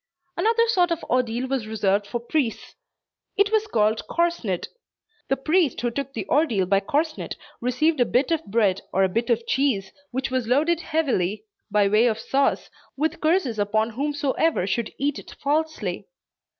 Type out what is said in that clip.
Another sort of ordeal was reserved for priests. It was called corsned. The priest who took the ordeal by corsned received a bit of bread or a bit of cheese which was loaded heavily, by way of sauce, with curses upon whomsoever should eat it falsely.